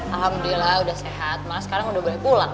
alhamdulillah udah sehat malah sekarang udah boleh pulang